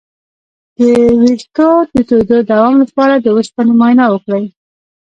د ویښتو د تویدو د دوام لپاره د اوسپنې معاینه وکړئ